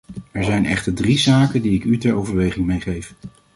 Er zijn echter drie zaken die ik u ter overweging meegeef.